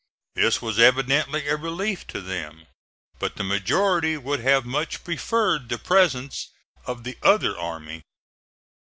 This was evidently a relief to them; but the majority would have much preferred the presence of the other army.